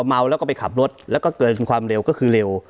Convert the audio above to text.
เมาแล้วก็ไปขับรถแล้วก็เกินความเร็วก็คือเร็ว